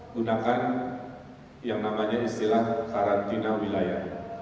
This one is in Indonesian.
gunakan yang namanya istilah karantina wilayah